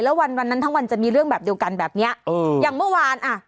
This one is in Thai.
แล้ววันวันนั้นทั้งวันจะมีเรื่องแบบเดียวกันแบบเนี้ยเอออย่างเมื่อวานอ่ะ